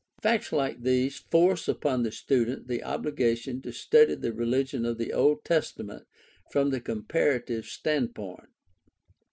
Facts like these force upon the student the obligation to study the religion of the Old Testament from the comparative standpoint.